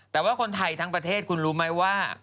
แต่ว่าคนไทยทั้งประเทศคุณรู้ไหมว่า